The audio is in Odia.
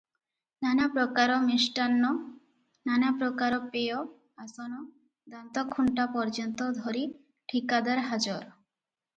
ନାନାପ୍ରକାର ମିଷ୍ଟାନ୍ନ, ନାନାପ୍ରକାର ପେୟ, ଆସନ, ଦାନ୍ତଖୁଣ୍ଟା ପର୍ଯ୍ୟନ୍ତ ଧରି ଠିକାଦାର ହାଜର ।